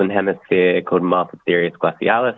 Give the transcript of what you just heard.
yang disebut marthes serius glacialis